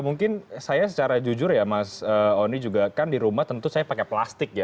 mungkin saya secara jujur ya mas oni juga kan di rumah tentu saya pakai plastik ya